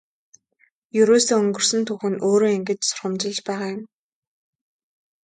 Ерөөсөө өнгөрсөн түүх нь өөрөө ингэж сургамжилж байгаа юм.